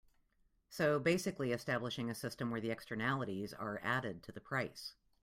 So basically establishing a system where the externalities are added to the price.